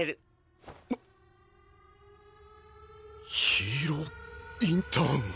ヒーローインターンを。